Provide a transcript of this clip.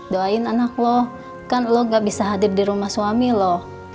doain anak lo kan allah gak bisa hadir di rumah suami loh